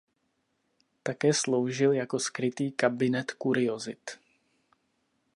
Také sloužil jako skrytý kabinet kuriozit.